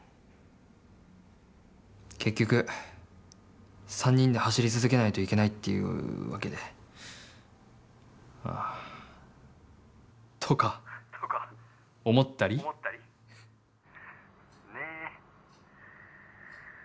結局３人で走り続けないといけないっていうわけであぁとか思ったり「ねぇ」